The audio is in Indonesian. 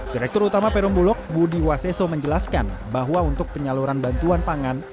direktur utama perum bulog budi waseso menjelaskan bahwa untuk penyaluran bantuan pangan